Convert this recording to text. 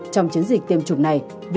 trong chiến dịch tiêm chủng này